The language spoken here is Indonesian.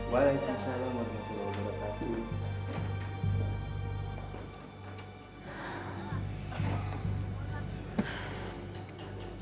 wa alaihi wassalam warahmatullahi wabarakatuh